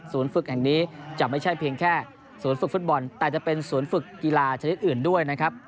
ฝึกแห่งนี้จะไม่ใช่เพียงแค่ศูนย์ฝึกฟุตบอลแต่จะเป็นศูนย์ฝึกกีฬาชนิดอื่นด้วยนะครับ